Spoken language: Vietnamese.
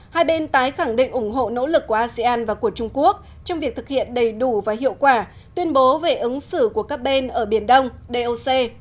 một mươi năm hai bên tái khẳng định ủng hộ nỗ lực của asean và của trung quốc trong việc thực hiện đầy đủ và hiệu quả tuyên bố về ứng xử của các bên ở biển đông